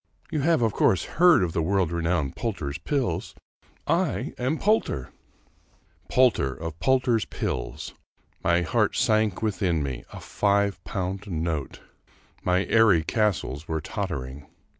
You have of course heard of the world renowned Poulter's Pills. I am Poulter !" Poulter of Poulter's Pills! My heart sank within me I A iive pound note ! My airy castles were tottering